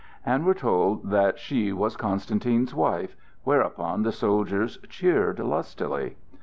and were told that she was Constantine's wife, whereupon the soldiers cheered lustily.